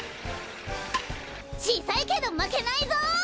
ちいさいけどまけないぞ！